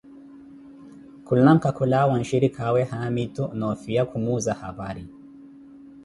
Khulanka kulawa wa nshirikaawe Haamitu, noofiya Khumuza hapari.